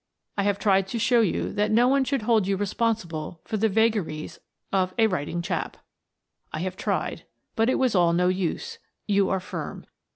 I have tried to show you that no one should hold you responsible for the vagaries of " a writing chap." I have tried — But it was all no use. You are firm.